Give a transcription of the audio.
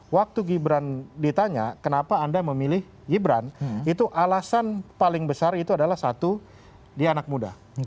waktu gibran ditanya kenapa anda memilih gibran itu alasan paling besar itu adalah satu dia anak muda